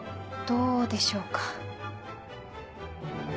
どうでしょうか。